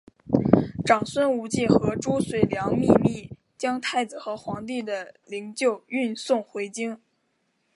长孙无忌和褚遂良秘密将太子和皇帝的灵柩运送回京。